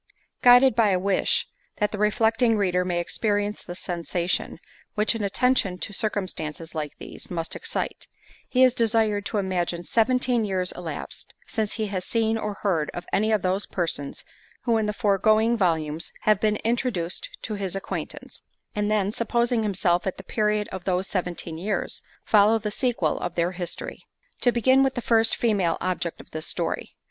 Guided by a wish, that the reflecting reader may experience the sensation, which an attention to circumstances like these, must excite; he is desired to imagine seventeen years elapsed, since he has seen or heard of any of those persons who in the foregoing volumes have been introduced to his acquaintance—and then, supposing himself at the period of those seventeen years, follow the sequel of their history. To begin with the first female object of this story.